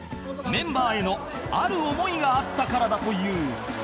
メンバーへのある思いがあったからだという